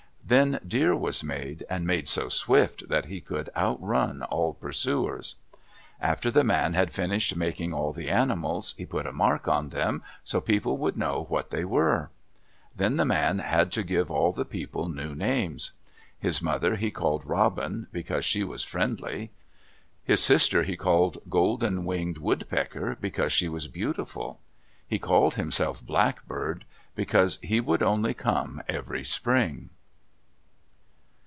Then Deer was made, and made so swift that he could outrun all pursuers. After the man had finished making all the animals, he put a mark on them, so people would know what they were. Then the man had to give all the people new names. His mother he called Robin, because she was friendly. His sister he called Golden winged Woodpecker, because she was beautiful. He called himself Blackbird because he would only come every spring.